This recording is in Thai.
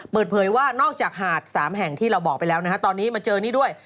เปิดเผยว่านอกจากหาด๓แห่งที่เราบอกไปแล้วนะฮะตอนนี้มาเจอนี่ด้วย